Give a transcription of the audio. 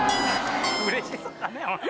嬉しそうだねおい。